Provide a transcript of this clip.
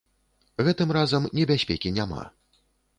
Гэтым разам небяспекі няма.